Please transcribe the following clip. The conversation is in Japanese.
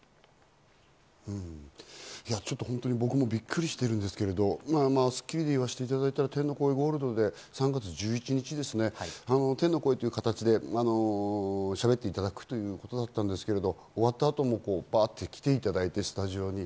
うん、僕もびっくりしているんですけれども、『スッキリ』で言わせていただいたら天の声ゴールドで３月２１日、天の声という形でしゃべっていただくということだったんですけれども終わった後も来ていただいて、スタジオに。